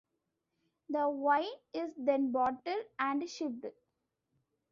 The wine is then bottled and shipped.